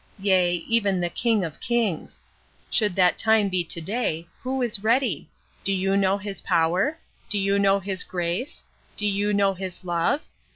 Yea, even the 'King of kings.' Should that time be to day, who is ready? Do you know his power? Do you know his grace? Do you know his love?